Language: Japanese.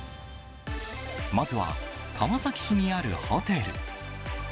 まずは川崎市にあるホテル。